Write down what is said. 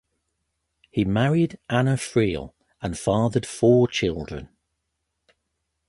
He married Anna Friel and fathered four children.